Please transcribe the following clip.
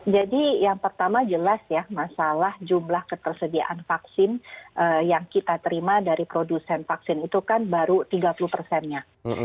jadi yang pertama jelas ya masalah jumlah ketersediaan vaksin yang kita terima dari produsen vaksin itu kan baru tiga puluh persennya